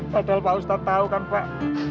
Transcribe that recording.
padahal pak ustadz tahu kan pak